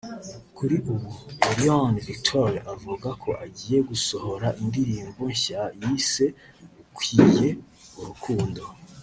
Kuri ubu Elion Victory avuga ko agiye gusohora indirimbo nshya yise “Ukwiye Urukundo”